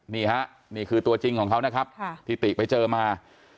นี่ฮะนี่คือตัวจริงของเขานะครับที่ติไปเจอมา